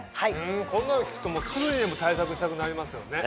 こんなの聞くとすぐにでも対策したくなりますよね。